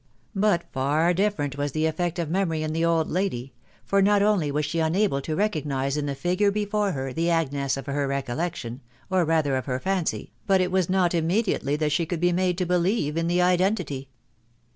But far different was the effect of memory in the old lady; for not only was she unable to recognise in the figure before her the Agnes of her recollection, or rather of her fancy, but it was not immediately that she could be made to believe in the identity.